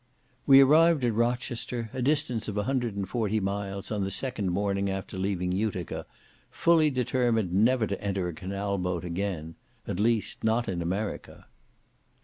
We arrived at Rochester, a distance of a hundred and forty miles, on the second morning after leaving Utica, fully determined never to enter a canal boat again, at least, not in America.